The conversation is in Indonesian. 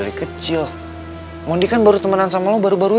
gue kan sabar lu dari kecil mondi kan baru temenan sama lu baru baru ini